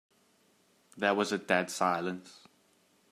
There was a dead silence.